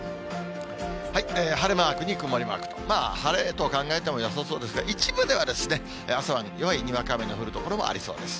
晴れマークに曇りマークと、晴れと考えてもよさそうですが、一部では朝晩弱いにわか雨の降る所もありそうです。